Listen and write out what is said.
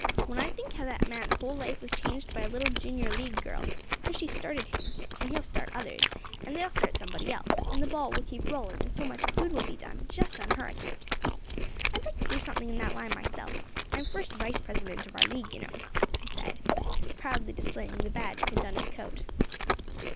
"When I think how that man's whole life was changed by a little Junior League girl; how she started him, and he'll start others, and they'll start somebody else, and the ball will keep rolling, and so much good will be done, just on her account, I'd like to do something in that line myself. I'm first vice president of our League, you know," he said, proudly displaying the badge pinned on his coat.